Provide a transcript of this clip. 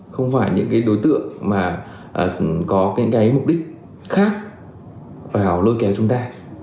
không phải những đối tượng mà có những mục đích khác vào lôi kéo chúng ta